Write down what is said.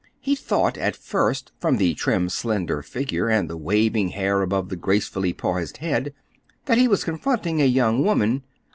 He thought at first, from the trim, slender figure, and the waving hair above the gracefully poised head, that he was confronting a young woman.